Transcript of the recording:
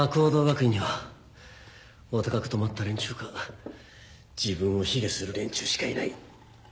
学院にはお高くとまった連中か自分を卑下する連中しかいない。